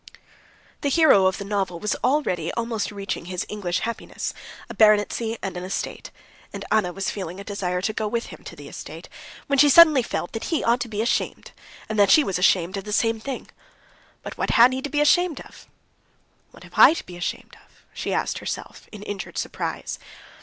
The hero of the novel was already almost reaching his English happiness, a baronetcy and an estate, and Anna was feeling a desire to go with him to the estate, when she suddenly felt that he ought to feel ashamed, and that she was ashamed of the same thing. But what had he to be ashamed of? "What have I to be ashamed of?" she asked herself in injured surprise.